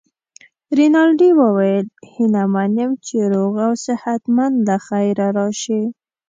رینالډي وویل: هیله من یم چي روغ او صحت مند له خیره راشې.